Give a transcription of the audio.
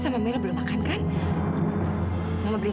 sudahlah lupakan yang kemarin